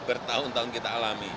bertahun tahun kita alami